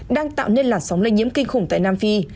đang tạo nên làn sóng lây nhiễm kinh khủng tại nam phi